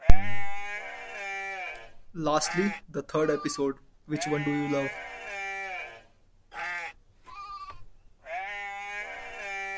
Lastly, the third episode, 'Which One Do You Love?